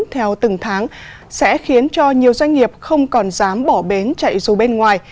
theo từng tháng sẽ khiến cho nhiều doanh nghiệp không còn dám bỏ bến chạy dù bên ngoài